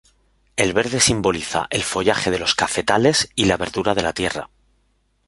El verde simboliza el follaje de los cafetales y la verdura de la tierra.